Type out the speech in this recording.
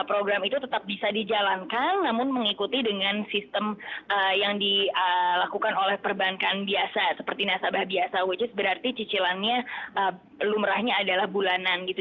jadi program itu tetap bisa dijalankan namun mengikuti dengan sistem yang dilakukan oleh perbankan biasa seperti nasabah biasa which is berarti cicilannya lumrahnya adalah bulanan gitu